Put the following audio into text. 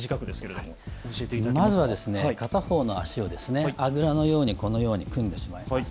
まずは片方の足をあぐらのように組んでしまいます。